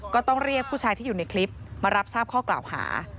ก็ต้องเรียกผู้ชายที่อยู่ในคลิปมารับทราบข้อกล่าวหา